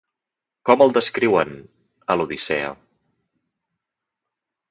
Com el descriuen a l'Odissea?